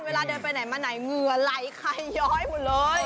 เวลาเดินไปไหนมาไหนเหงื่อไหลไข่ย้อยหมดเลย